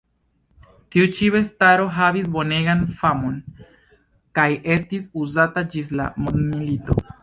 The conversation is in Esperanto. Tiu ĉi bestaro havis bonegan famon kaj estis uzata ĝis la mondmilito.